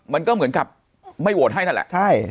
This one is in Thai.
มันก็เหมือนกับไม่โหวตให้นั่นแหละใช่